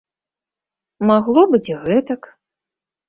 Магло быць і гэтак.